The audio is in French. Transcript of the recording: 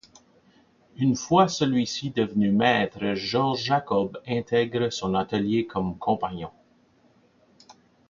Une fois celui-ci devenu maître Georges Jacob intègre son atelier comme compagnon.